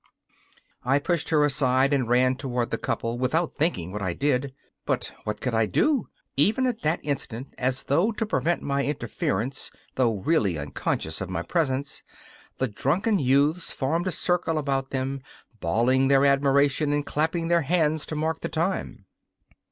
I pushed her aside and ran toward the couple without thinking what I did. But what could I do? Even at that instant, as though to prevent my interference, though really unconscious of my presence, the drunken youths formed a circle about them, bawling their admiration and clapping their hands to mark the time.